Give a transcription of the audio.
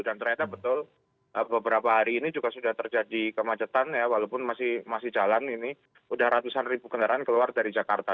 dan ternyata betul beberapa hari ini juga sudah terjadi kemacetan ya walaupun masih jalan ini udah ratusan ribu kendaraan keluar dari jakarta